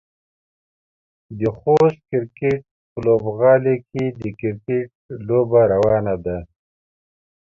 د خوست کرکټ په لوبغالي کې د کرکټ لوبه روانه ده.